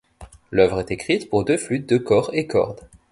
L'œuvre est écrite pour deux flûtes, deux cors, et cordes.